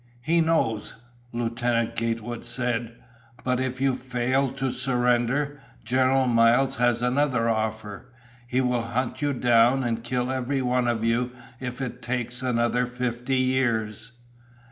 "He knows," Lieutenant Gatewood said. "But if you fail to surrender, General Miles has another offer. He will hunt you down and kill every one of you if it takes another fifty years."